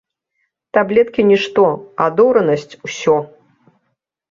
Таблеткі нішто, адоранасць усё.